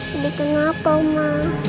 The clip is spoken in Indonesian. sedih kenapa oma